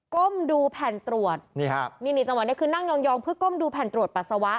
ก้มดูแผ่นตรวจนี่จังหวัดนี่คือนั่งยองเพื่อก้มดูแผ่นตรวจปัสสาวะ